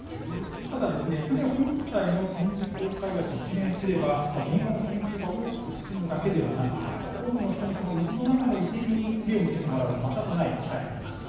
ただ、船本体の展示・公開が実現すれば、元寇の研究が大きく進むだけではなく、多くの人に、この水の中の遺跡に目を向けてもらう、またとない機会になります。